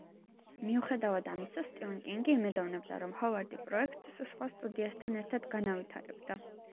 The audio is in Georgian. მიუხედავად ამისა, სტივენ კინგი იმედოვნებდა, რომ ჰოვარდი პროექტს სხვა სტუდიასთან ერთად განავითარებდა.